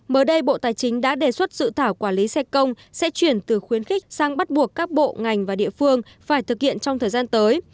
mới đây bộ tài chính đã đề xuất dự thảo quản lý xe công sẽ chuyển từ khuyến khích sang bắt buộc các bộ ngành và địa phương phải thực hiện trong thời gian tới